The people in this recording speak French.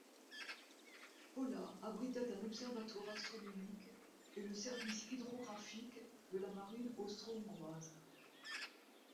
Pola abritait un observatoire astronomique et le service hydrographique de la marine austro-hongroise.